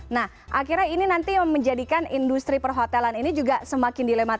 nah akhirnya ini nanti menjadikan industri perhotelan ini juga semakin dilematis